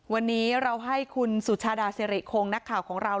วันนี้เราให้คุณสุชาดาสิริคงนักข่าวของเรา